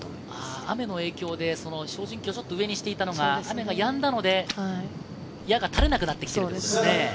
雨の影響で照準器を上にしていたのが雨がやんだので、矢が垂れなくなってきたということですね。